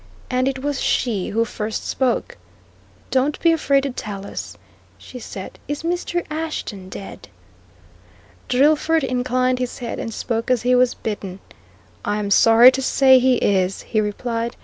And it was she who first spoke. "Don't be afraid to tell us," she said. "Is Mr. Ashton dead?" Drillford inclined his head, and spoke as he was bidden. "I'm sorry to say he is," he replied.